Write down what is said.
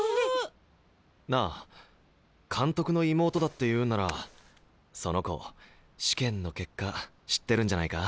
なあ監督の妹だっていうんならその子試験の結果知ってるんじゃないか？